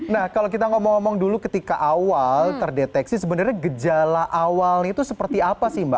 nah kalau kita ngomong ngomong dulu ketika awal terdeteksi sebenarnya gejala awalnya itu seperti apa sih mbak